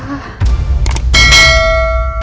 aku takut pa